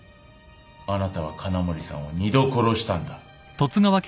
あなたは金森さんを二度殺したんだ。